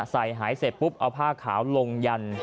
หายเสร็จปุ๊บเอาผ้าขาวลงยัน